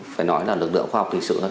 phải nói là lực lượng khoa học hình sự